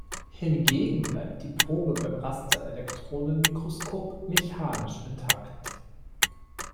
Hingegen bleibt die Probe beim Rasterelektronenmikroskop mechanisch intakt.